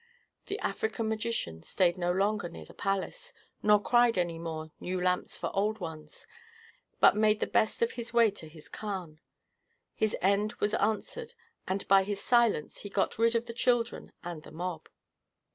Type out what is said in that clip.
The African magician stayed no longer near the palace, nor cried any more, "New lamps for old ones!" but made the best of his way to his khan. His end was answered; and by his silence he got rid of the children and the mob.